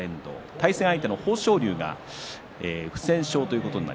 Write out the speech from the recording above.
対戦相手の豊昇龍は不戦勝です。